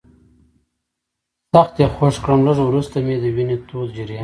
سخت یې خوږ کړم، لږ وروسته مې د وینې تود جریان.